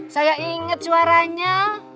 saya inget suaranya